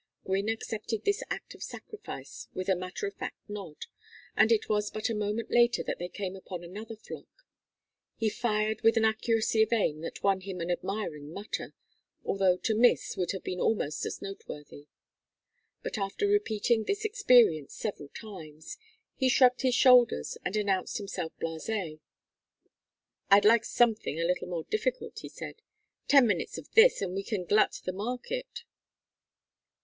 Gwynne accepted this act of sacrifice with a matter of fact nod, and it was but a moment later that they came upon another flock. He fired with an accuracy of aim that won him an admiring mutter, although to miss would have been almost as noteworthy. But after repeating this experience several times, he shrugged his shoulders and announced himself blasé. "I'd like something a little more difficult," he said. "Ten minutes of this and we can glut the market."